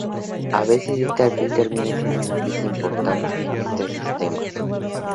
A veces este alfil termina siendo una pieza importante en este sistema.